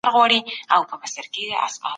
مشران د هيواد د سوکالۍ لپاره دعا کوي.